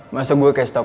masa gue kayak setau